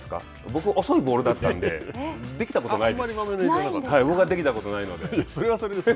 僕、遅いボールだったんでできたことがないです。